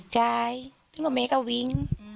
ใช่ถึงว่าแม่ก็วิ้ง